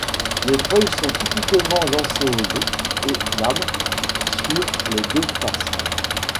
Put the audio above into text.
Les feuilles sont typiquement lancéolées et glabres sur les deux faces.